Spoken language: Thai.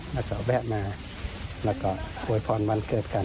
แล้วก็แวะมาแล้วก็อวยพรวันเกิดกัน